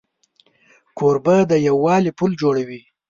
کوربه د یووالي پل جوړوي.